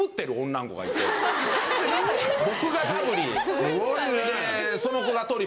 すごいね。